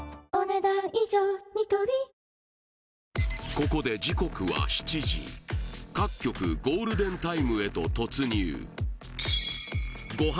ここで時刻は各局ゴールデンタイムへと突入ご飯